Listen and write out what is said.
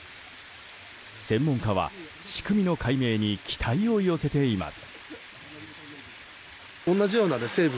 専門家は、仕組みの解明に期待を寄せています。